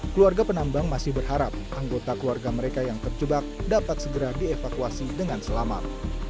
keluarga penambang masih berharap anggota keluarga mereka yang terjebak dapat segera dievakuasi dengan selamat